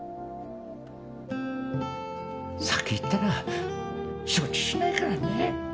先逝ったら承知しないからね。